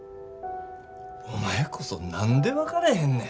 お前こそ何で分かれへんね。